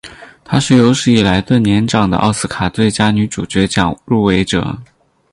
她是有史以来最年长的奥斯卡最佳女主角奖入围者。